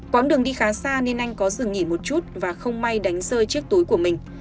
quãng đường đi khá xa nên anh có dừng nghỉ một chút và không may đánh rơi chiếc túi của mình